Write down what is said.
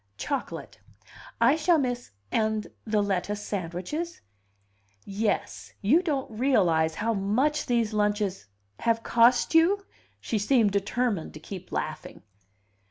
"Chocolate. I shall miss " "And the lettuce sandwiches?" "Yes. You don't realize how much these lunches " "Have cost you?" She seemed determined to keep laughing.